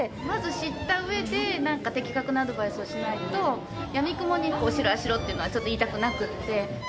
まず知ったうえで、なんか的確なアドバイスをしないと、やみくもにこうしろ、ああしろっていうのは、ちょっと言いたくなくって。